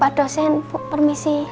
pak dosen permisi